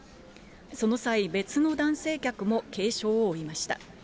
その際、別の男性客も軽傷を負いました。